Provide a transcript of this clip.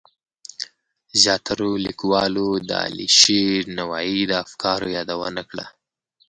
زیاترو لیکوالو د علیشیر نوایی د افکارو یادونه کړه.